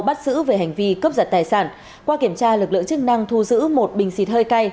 bắt giữ về hành vi cướp giật tài sản qua kiểm tra lực lượng chức năng thu giữ một bình xịt hơi cay